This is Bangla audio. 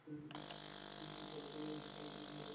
সার্চ করে শুরুতে আমি এটাই পেয়েছিলাম।